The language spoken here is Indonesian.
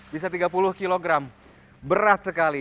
bisa tiga puluh kg berat sekali